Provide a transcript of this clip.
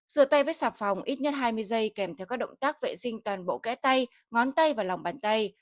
rửa tay với sạp phòng ít nhất hai mươi giây kèm theo các động tác vệ sinh toàn bộ cái tay ngón tay và lòng bàn tay